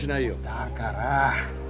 だから！